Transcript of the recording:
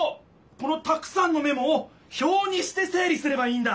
このたくさんのメモをひょうにして整理すればいいんだ！